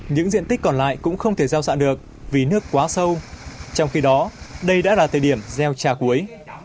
những diện tích còn lại cũng không thể gieo xạ được vì nước quá sâu trong khi đó đây đã là thời điểm gieo trà cuối